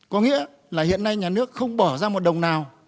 có nghĩa là hiện nay nhà nước không bỏ ra một đồng nào